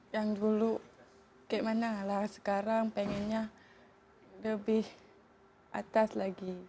yang dulu gimana lah sekarang pengennya lebih atas lagi